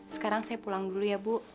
sekarang saya pulang dulu ya bu